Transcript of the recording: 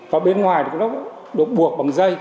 và bên ngoài nó được buộc bằng dây